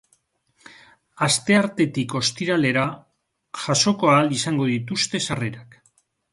Asteartetik ostiralera jasoko ahal izango dituzte sarrerak.